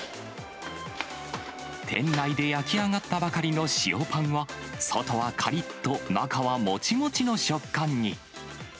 店内で焼き上がったばかりの塩パンは、外はかりっと、中はもちもちの食感に。